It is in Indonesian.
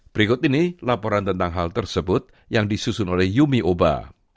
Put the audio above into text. berikut ini laporan tentang hal tersebut yang disusun oleh umi oba